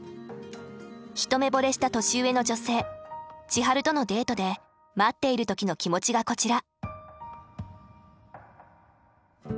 一目ぼれした年上の女性千春とのデートで待っている時の気持ちがこちら。